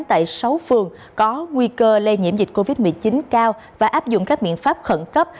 tại sáu phường có nguy cơ lây nhiễm dịch covid một mươi chín cao và áp dụng các biện pháp khẩn cấp